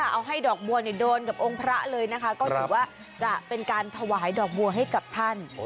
เอาให้ดอกบัวโดนกับองค์พระเลยนะคะก็ถือว่าจะเป็นการถวายดอกบัวให้กับท่าน